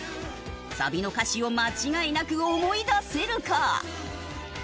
サビの歌詞を間違いなく思い出せるか？